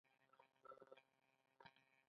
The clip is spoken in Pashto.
یووالي کې څه برکت دی؟